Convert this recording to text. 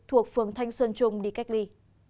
thuộc phường thanh xuân trung đi cách ly